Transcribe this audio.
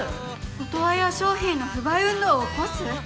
「オトワヤ商品の不買運動を起こす」！？